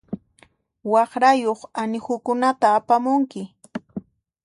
Waqrayuq anihukunata apamunki.